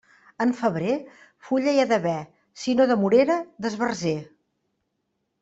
En febrer, fulla hi ha d'haver; si no de morera, d'esbarzer.